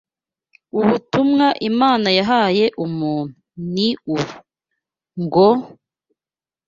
Ubutumwa Imana yahaye umuntu ni ubu ngo: